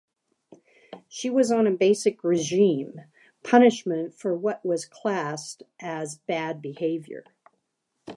She was on a basic regime, punishment for what was classed as bad behaviour.